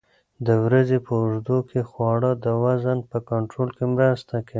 د ورځې په اوږدو کې خواړه د وزن په کنټرول کې مرسته کوي.